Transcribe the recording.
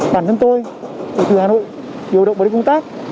bản thân tôi từ hà nội điều động với công tác